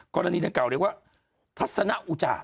กรณีดังกล่าเรียกว่าทัศนอุจจา